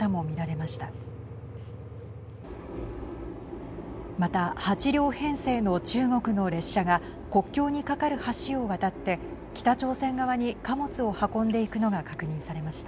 また、８両編成の中国の列車が国境に架かる橋を渡って北朝鮮側に貨物を運んでいくのが確認されました。